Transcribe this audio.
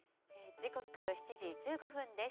時刻７時１５分です。